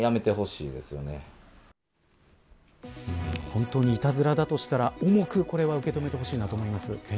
本当に、いたずらだとしたら重く受け止めてほしいと思います。